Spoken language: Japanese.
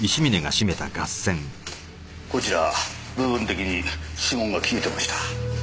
こちら部分的に指紋が消えていました。